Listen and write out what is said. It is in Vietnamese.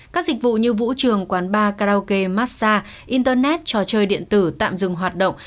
các dịch vụ như vũ trường quán bar karaoke massage internet trò chơi điện tử tạm dừng hoạt động